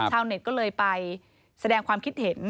ชาวเน็ตก็เลยไปแสดงความคิดเห็น